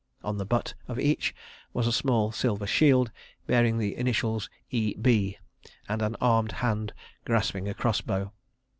On the butt of each was a small silver shield, bearing the initials "E. B.," and an armed hand grasping a crossbow.